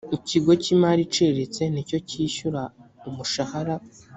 ikigo cy imari iciriritse ni cyo cyishyura umushahara